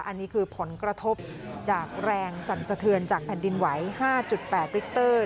อันนี้คือผลกระทบจากแรงสั่นสะเทือนจากแผ่นดินไหว๕๘ริกเตอร์